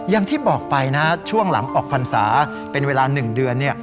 อย่างที่บอกไปนะช่วงหลังออกพรรษาเป็นเวลา๑เดือน